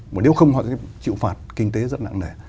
mà nếu không họ sẽ chịu phạt kinh tế rất nặng nề